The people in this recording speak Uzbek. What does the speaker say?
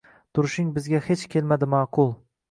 Turishing bizga hech kelmadi ma’qul